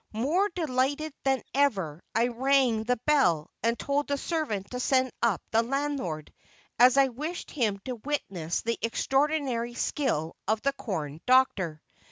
More delighted than ever, I rang the bell, and told the servant to send up the landlord, as I wished him to witness the extraordinary skill of the corn doctor.